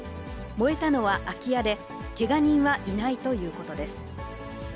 燃えたのは空き家で、けが人はいないということです。